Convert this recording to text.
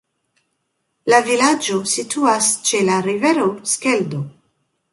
La vilaĝo situas ĉe la rivero Skeldo.